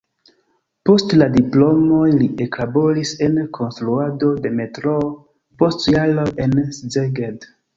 Post la diplomoj li eklaboris en konstruado de metroo, post jaroj en Szeged.